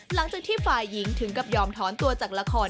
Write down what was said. หลังจากที่ฝ่ายหญิงถึงกับยอมถอนตัวจากละคร